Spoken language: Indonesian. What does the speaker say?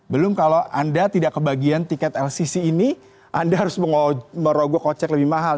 belum kalau anda tidak kebagian tiket lcc ini anda harus merogoh kocek lebih mahal